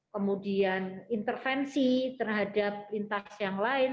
kemudian intervensi terhadap lintas yang lain